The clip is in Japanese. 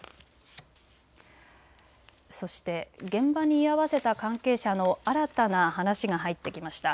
そして現場に居合わせた関係者の新たな話が入ってきました。